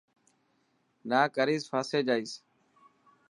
نا ڪريس ڦاسي جائيس.